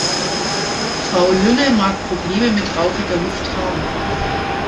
Frau Lynne mag Probleme mit rauchiger Luft haben.